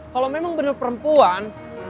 kalau memang benar perempuan